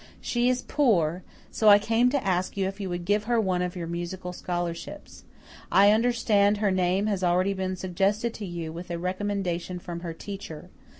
She is poor, so I came to ask you if you would give her one of your musical scholarships. I understand her name has already been suggested to you, with a recommendation from her teacher.